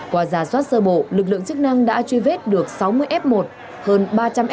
qua giả soát sơ bộ lực lượng chức năng đã truy vết được sáu mươi f một hơn ba trăm linh f